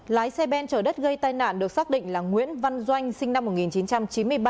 lái xe ben chở đất gây tai nạn được xác định là nguyễn văn doanh sinh năm một nghìn chín trăm chín mươi ba